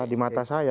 di mata saya